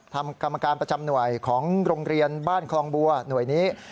กรรมการประจำหน่วยของโรงเรียนบ้านคลองบัวหน่วยนี้